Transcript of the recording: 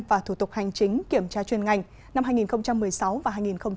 và thủ tục hành chính kiểm tra chuyên ngành năm hai nghìn một mươi sáu và hai nghìn một mươi chín